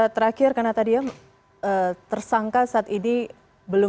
terakhir karena tadi ya tersangka saat ini belum